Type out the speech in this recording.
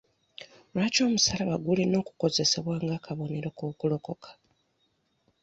Lwaki omusaalabba gulina okukozesebwa ng'akabonero k'okulokoka?